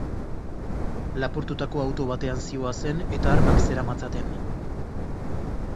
Lapurtutako auto batean zihoazen eta armak zeramatzaten.